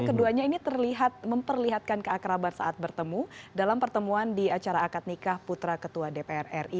keduanya ini terlihat memperlihatkan keakraban saat bertemu dalam pertemuan di acara akad nikah putra ketua dpr ri